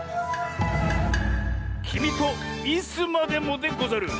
「きみとイスまでも」でござる。